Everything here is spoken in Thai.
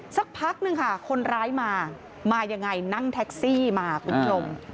สักพักหนึ่งค่ะคนร้ายมามายังไงนั่งแท็กซี่มาคุณผู้ชม